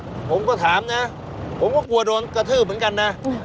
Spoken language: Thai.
ผมก็ถามนะผมก็กลัวโดนกระทืบเหมือนกันนะ